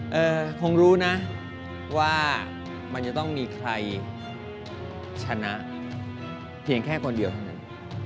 เออคงรู้นะว่ามันจะต้องมีใครชนะเพียงแค่คนเดียวเท่านั้น